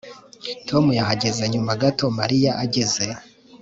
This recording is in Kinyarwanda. Tom yahageze nyuma gato Mariya ageze